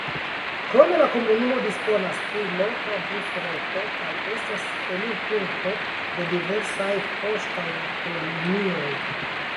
Krome la komunumo disponas pri loka busreto kaj estas elirpunkto de diversaj poŝtaŭtolinioj.